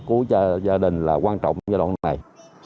của gia đình là quan trọng giai đoạn này